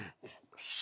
よし。